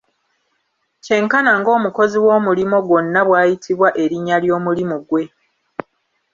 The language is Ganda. Kyenkana ng'omukozi w'omulimo gwonna bw'ayitibwa erinnya ly'omulimu gwe.